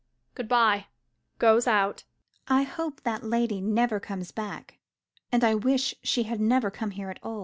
Good bye! [Goes out.] MME. CATHERINE. I hope that lady never comes back, and I wish she had never come here at all!